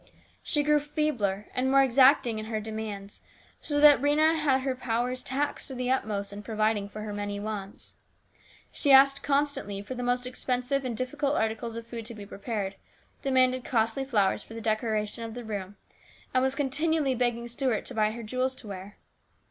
She grew feebler and more exacting in her demands, so that Rhena had her powers taxed to the utmost in providing for her many wants. She asked constantly for the most expensive and difficult articles of food to be prepared, demanded costly flowers for the decoration of the room, and was continually begging Stuart to buy her jewels to wear.